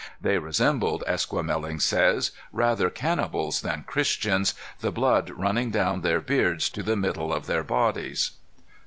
'They resembled,' Esquemeling says, 'rather cannibals than Christians, the blood running down their beards to the middle of their bodies.